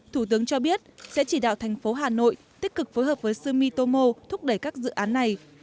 thủ tướng cho biết sẽ chỉ đạo thành phố hà nội tích cực phối hợp với sumitomo thúc đẩy các dự án này